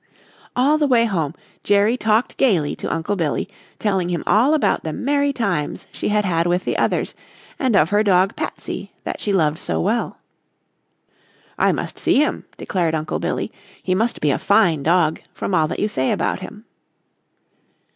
All the way home Jerry talked gaily to Uncle Billy, telling him all about the merry times she had with the others, and of her dog Patsy that she loved so well. "I must see him," declared Uncle Billy. "He must be a fine dog, from all that you say about him."